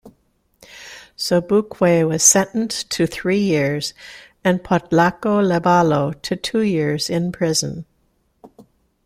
Sobukwe was sentenced to three years and Potlako Leballo to two years in prison.